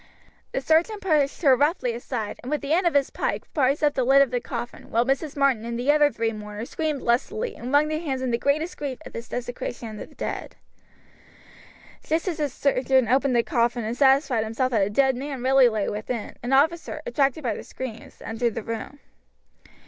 The sergeant pushed her roughly aside, and with the end of his pike prised up the lid of the coffin, while Mrs. Martin and the other three mourners screamed lustily and wrung their hands in the greatest grief at this desecration of the dead. Just as the sergeant opened the coffin and satisfied himself that a dead man really lay within, an officer, attracted by the screams, entered the room.